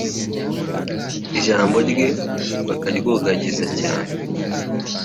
ijambo rye bakaryogagiza cyane,